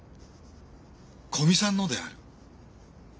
古見さんのである。